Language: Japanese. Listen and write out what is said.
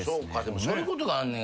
そういうことがあんねや。